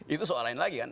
itu soal lain lagi kan